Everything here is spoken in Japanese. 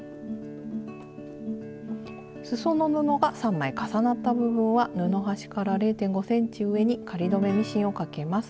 すその布が３枚重なった部分は布端から０．５ｃｍ上に仮留めミシンをかけます。